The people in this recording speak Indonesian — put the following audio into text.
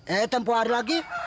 eh tempuh hari lagi